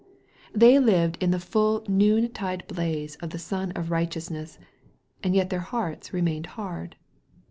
They lived in the full noon tide blaze of the Sun of Kight eousness, and yet their hearts remained hard.